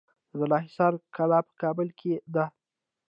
د بالاحصار کلا په کابل کې ده